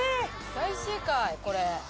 大正解これ。